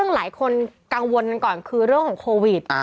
หลายคนกังวลกันก่อนคือเรื่องของโควิด